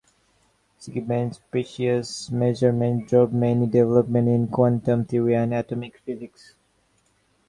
Siegbahn's precision measurements drove many developments in quantum theory and atomic physics.